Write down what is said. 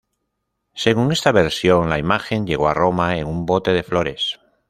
Según esta versión, la imagen llegó a Roma en un bote de flores.